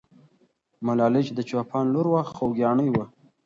ملالۍ چې د چوپان لور وه، خوګیاڼۍ وه.